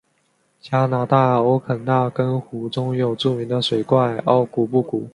加拿大欧肯纳根湖中有著名的水怪奥古布古。